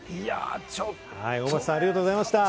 大町さん、ありがとうございました。